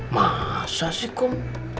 masa sih kum